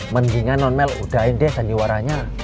mendingan non mel udahin deh sandiwaranya